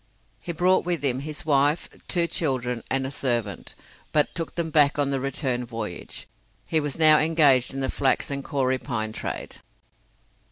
He brought with him his wife, two children, and a servant, but took them back on the return voyage. He was now engaged in the flax and kauri pine trade.